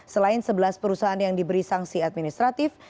selain sebelas perusahaan yang diberi sanksi administratif